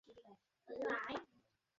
তাঁকে বললে তিনি রাজি হলেন না।